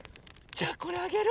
じゃこれあげる！